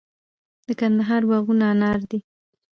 د کندهار باغونه انار دي